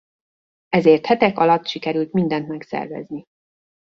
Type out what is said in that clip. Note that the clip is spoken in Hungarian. Ezért hetek alatt sikerült mindent megszervezni.